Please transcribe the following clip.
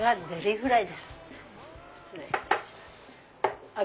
失礼いたします。